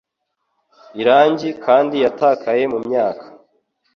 irangi kandi yatakaye mumyaka.